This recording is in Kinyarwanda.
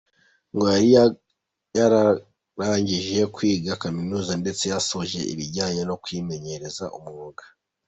Ngo yari yararangije kwiga kaminuza ndetse yasoje ibijyanye no kwimenyereza umwuga.